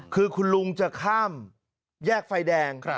คือคุณลุงจะข้ามแยกไฟแดง